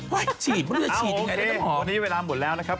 วันนี้เวลาหมดแล้วนะครับ